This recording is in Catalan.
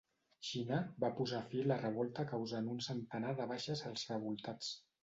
Xina va posar fi a la revolta causant un centenar de baixes als revoltats.